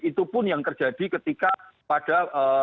itu pun yang terjadi ketika pada dua ribu dua puluh